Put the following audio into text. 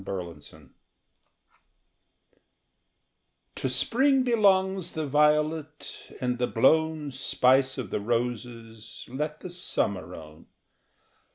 A PETITION To spring belongs the violet, and the blown Spice of the roses let the summer own.